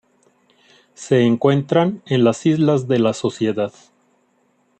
Se encuentran en las Islas de la Sociedad.